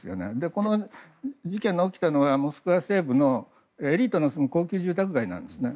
この事件が起きたのはモスクワ西部のエリートの住む高級住宅街なんですね。